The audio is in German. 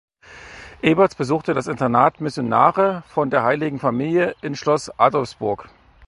Eberts besuchte das Internat Missionare von der Heiligen Familie in Schloss Adolfsburg.